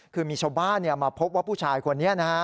คือมีชาวบ้านมาพบว่าผู้ชายคนนี้นะฮะ